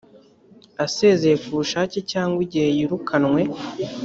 asezeye ku bushake cyangwa igihe yirukanwe